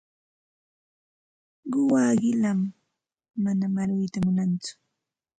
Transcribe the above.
Quwaa qilam, manam aruyta munantsu.